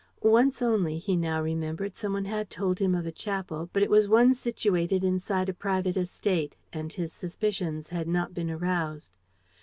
Once only, he now remembered, some one had told him of a chapel; but it was one situated inside a private estate; and his suspicions had not been aroused.